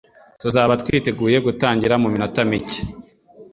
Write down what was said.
Tuzaba twiteguye gutangira muminota mike.